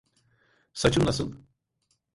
Saçım nasıl?